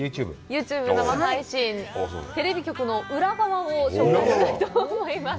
ユーチューブ、生配信、テレビ局の裏側を紹介したいと思います。